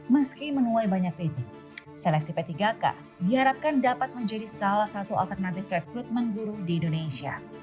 meski menuai banyak ini seleksi p tiga k diharapkan dapat menjadi salah satu alternatif rekrutmen guru di indonesia